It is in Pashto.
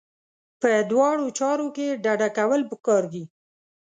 په دواړو چارو کې ډډه کول پکار دي.